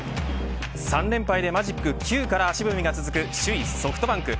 ３連敗でマジック９から足踏みが続く首位ソフトバンク。